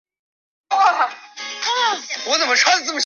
这些白奴常常与自愿签约的同事们一道成为契约劳工。